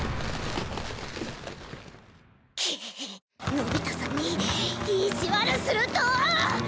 のび太さんに意地悪すると。